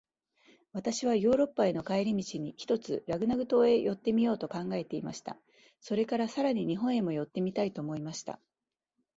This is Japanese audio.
私はヨーロッパへの帰り途に、ひとつラグナグ島へ寄ってみようと考えていました。それから、さらに日本へも寄ってみたいと思いました。